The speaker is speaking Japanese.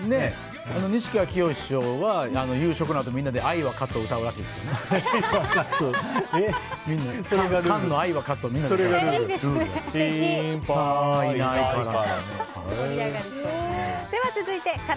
西川きよし師匠は夕食のあとみんなで「愛は勝つ」を歌うらしいですよ。